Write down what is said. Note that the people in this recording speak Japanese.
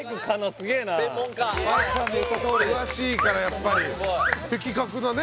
マイクさんの言ったとおり詳しいからやっぱり的確なね